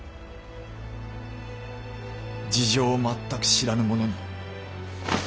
事情をまったく知らぬ者に。